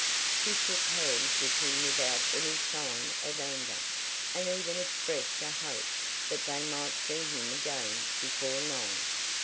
She shook hands with him without any sign of anger, and even expressed a hope that they might see him again before long.